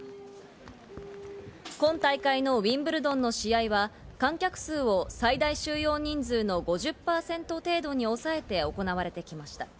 今大会のウィンブルドンの試合は、観客数を最大収容人数の５０％程度に抑えて、行われてきました。